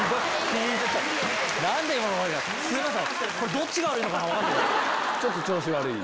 どっちが悪いのか分からない。